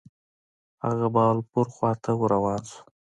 هغه بهاولپور خواته ور روان شو.